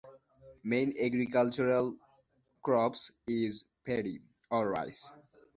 প্রধান কৃষি ফসল হলো ধান।